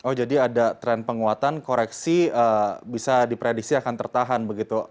oh jadi ada tren penguatan koreksi bisa diprediksi akan tertahan begitu